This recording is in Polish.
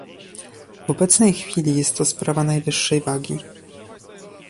W obecnej chwili jest to sprawa najwyższej wagi